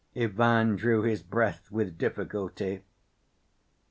Ivan drew his breath with difficulty.